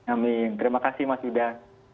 amin terima kasih mas yuda